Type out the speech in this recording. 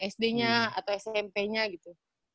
sd nya atau smp nya gitu